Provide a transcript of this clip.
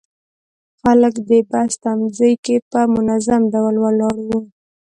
خلک د بس تمځي کې په منظم ډول ولاړ وو.